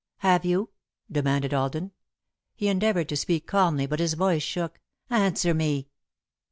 "Have you?" demanded Alden. He endeavoured to speak calmly, but his voice shook. "Answer me!"